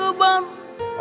allahu akbar allahu akbar